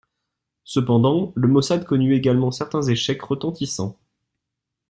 Cependant, le Mossad connut également certains échecs retentissants.